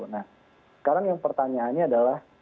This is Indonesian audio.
nah sekarang yang pertanyaannya adalah